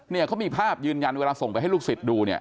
เนี่ยเขามีภาพยืนยันเวลาส่งไปให้ลูกศิษย์ดูเนี่ย